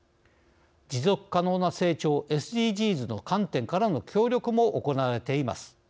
持続可能な成長ＳＤＧｓの観点からの協力も行われています。